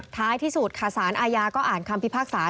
ท้ายที่สุดค่ะสารอาญาก็อ่านคำพิพากษา